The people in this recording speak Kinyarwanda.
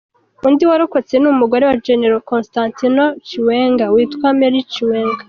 Undi wakoretse ni umugore wa Gen Constantino Chiwenga witwa Marry Chiwenga.